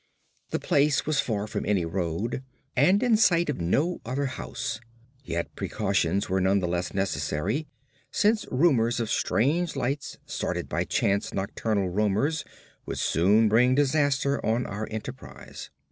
The place was far from any road, and in sight of no other house, yet precautions were none the less necessary; since rumours of strange lights, started by chance nocturnal roamers, would soon bring disaster on our enterprise.